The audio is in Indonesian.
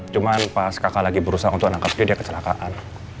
cuman pas kakak lagi berusaha untuk menangkap dia kecelakaan